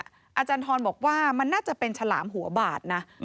อาจารย์ทรบอกว่ามันน่าจะเป็นฉลามหัวบาดนะ